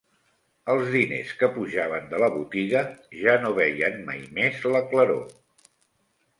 Els diners que pujaven de la botiga ja no veien mai més la claror.